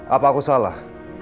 apa aku salah